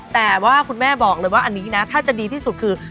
แต่ว่าคุณแม่บอกเลยว่าอันนี้นะถ้าจะดีที่สุดคือ